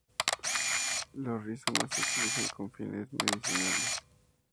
Los rizomas se utilizan con fines medicinales.